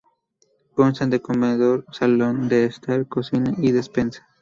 Constan de comedor-salón de estar, cocina, despensa.